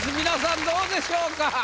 皆さんどうでしょうか？